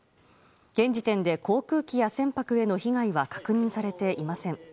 現時点で航空機や船舶への被害は確認されていません。